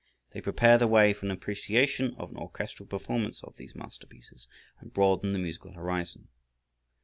They prepare the way for an appreciation of an orchestral performance of these masterpieces, and broaden the musical horizon.